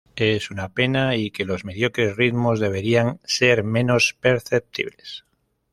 Es una pena" y que "los mediocres ritmos deberían ser menos perceptibles".